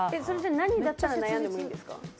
それじゃ何だったら悩んでもいいんですか？